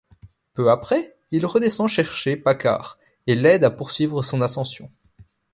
Peu après, il redescend chercher Paccard et l’aide à poursuivre son ascension.